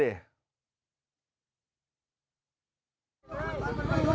เอ้าเอ้า